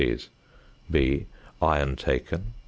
(b) Iron taken, 0.